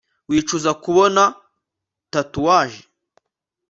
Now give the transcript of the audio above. Wicuza kubona tatouage